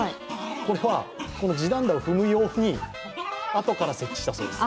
これは地団駄を踏む用にあとから設置したそうです。